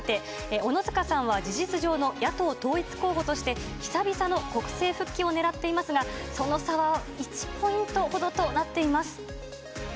小野塚さんは事実上の野党統一候補として、久々の国政復帰を狙っていますが、その差は１ポイントほどとなっています。